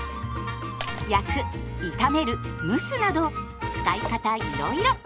焼く炒める蒸すなど使い方いろいろ。